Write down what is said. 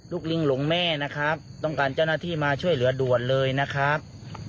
ลิงหลงแม่นะครับต้องการเจ้าหน้าที่มาช่วยเหลือด่วนเลยนะครับ